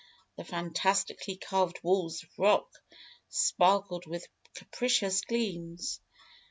The fantastically carved walls of rock sparkled with capricious gleams.